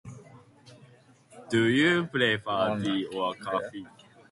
Do you prefer tea or coffee?